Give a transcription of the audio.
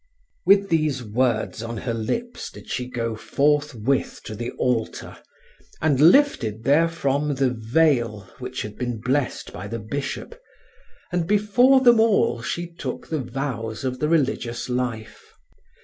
With these words on her lips did she go forthwith to the altar, and lifted therefrom the veil, which had been blessed by the bishop, and before them all she took the vows of the religious life.